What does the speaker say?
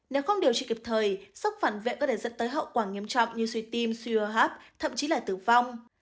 nếu không điều trị kịp thời sốc phản vệ có thể dẫn tới hậu quả nghiêm trọng như suy tim suy hô hấp thậm chí là tử vong